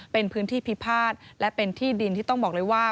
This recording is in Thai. เป็นพื้นที่พิพาทและเป็นที่ดินที่ต้องบอกเลยว่า